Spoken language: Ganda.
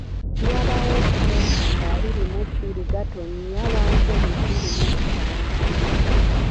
Byabaawo okusooka ng'abiri mu bbiri Gatonnya wa nkumi bbiri mu musanvu.